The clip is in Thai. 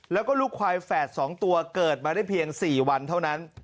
แล้วก็ลูกควายแฝด๒ตัวเกิดมาได้เพียง๔วันเท่านั้น